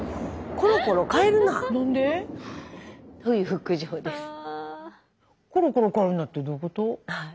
コロコロ変えるなってどういうこと？